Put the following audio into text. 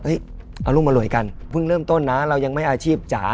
เอาลูกมารวยกันเพิ่งเริ่มต้นนะเรายังไม่อาชีพจ๋า